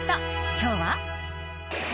今日は。